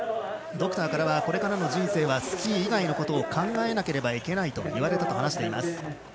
ドクターからはこれからの人生はスキー以外のことを考えなければいけないと言われたと話しています。